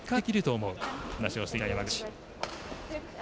そう話をしていた山口。